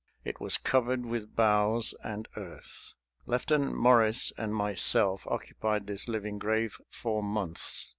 It was covered with boughs and earth. Lieutenant Morris and myself occupied this living grave for months.